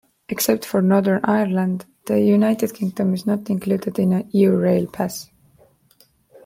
Except for Northern Ireland, the United Kingdom is not included in the Eurail pass.